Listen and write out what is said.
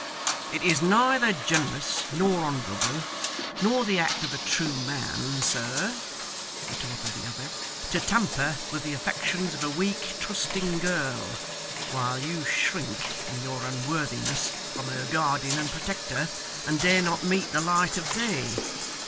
'It is neither generous, nor honourable, nor the act of a true man, sir,' retorted the other, 'to tamper with the affections of a weak, trusting girl, while you shrink, in your unworthiness, from her guardian and protector, and dare not meet the light of day.